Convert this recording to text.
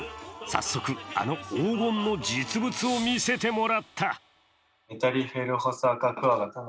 早速、あの黄金の実物を見せてもらった。